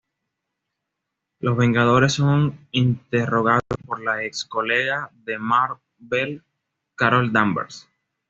Los Vengadores son interrogados por la ex colega de Mar-Vell, Carol Danvers.